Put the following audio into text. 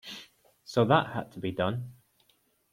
So that had to be done.